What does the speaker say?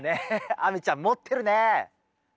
亜美ちゃんもってるね。